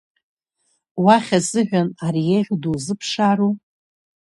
Уахь азыҳәан, ари еиӷьу дузыԥшару?